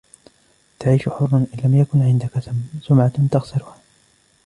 تعيش حرا إن لم يكن عندك سمعة تخسرها.